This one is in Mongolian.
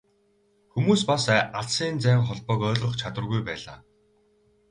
Хүмүүс бас алсын зайн холбоог ойлгох чадваргүй байлаа.